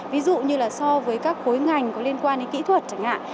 ví dụ như là so với các khối ngành có liên quan đến kỹ thuật chẳng hạn